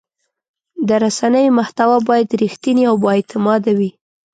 د رسنیو محتوا باید رښتینې او بااعتماده وي.